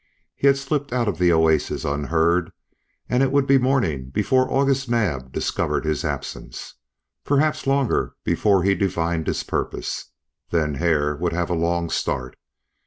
He had slipped out of the oasis unheard, and it would be morning before August Naab discovered his absence, perhaps longer before he divined his purpose. Then Hare would have a long start.